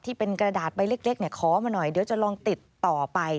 ที่เป็นกระดาษใบเล็กขอมาหน่อยเดี๋ยวจะลองติดต่อไป